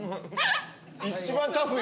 一番タフよ